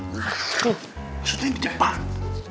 maksudnya ini jepang